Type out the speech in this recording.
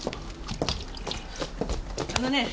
あのねぇ。